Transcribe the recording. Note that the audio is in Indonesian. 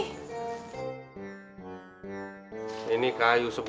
kenapa tuh yang ngerti